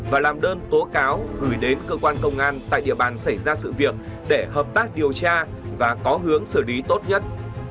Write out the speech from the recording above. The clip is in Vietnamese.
và làm đơn tố cáo gửi đến cơ quan công an tại địa bàn xảy ra sự việc để hợp tác điều tra và có hướng xử lý tốt nhất